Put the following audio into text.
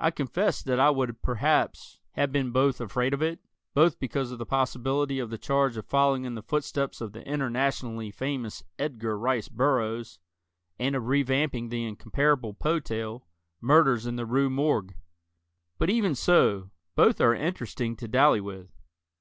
I confess that I would perhaps have been afraid of it, both because of the possibility of the charge of following in the footsteps of the internationally famous Edgar Rice Burroughs, and of re vamping the incomparable Poe tale, "Murders in the Rue Morgue." But, even so, both are interesting to dally with.